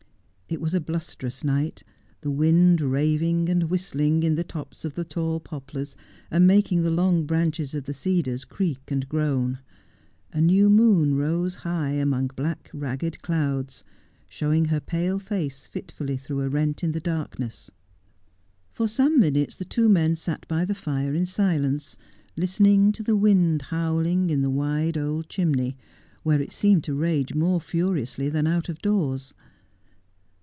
It was a blustrous night, the wind raving and whist ling in the tops of the tall poplars, and making the long branches of the cedars creak and groan. A new moon rose high among black, ragged clouds, showing her pale face fitfully through a rent in the darkness. For some minutes the two men sat by the fire in silence, listening to the wind howling in the wide old chimney, where it seemed to rage more furiously than out of doors.